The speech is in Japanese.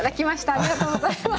ありがとうございます。